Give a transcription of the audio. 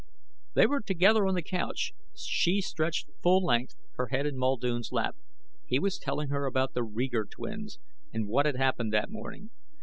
They were together on the couch, she stretched full length, her head in Muldoon's lap. He was telling her about the Reeger twins and what had happened that morning.